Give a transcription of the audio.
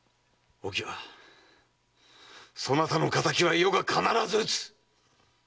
お喜和そなたの敵は余が必ず討つ！